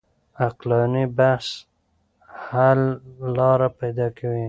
عقلاني بحث حل لاره پيدا کوي.